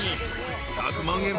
［１００万円